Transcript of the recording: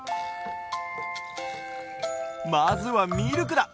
まずはミルクだ！